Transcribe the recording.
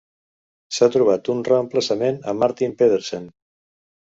S'ha trobat un reemplaçament a Martin Pedersen.